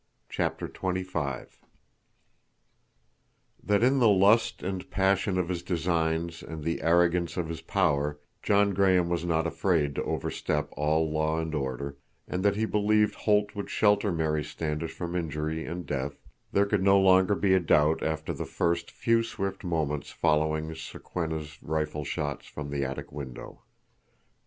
CHAPTER XXV That in the lust and passion of his designs and the arrogance of his power John Graham was not afraid to overstep all law and order, and that he believed Holt would shelter Mary Standish from injury and death, there could no longer be a doubt after the first few swift moments following Sokwenna's rifle shots from the attic window.